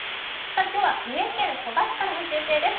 今日は三重県鳥羽市からの中継です。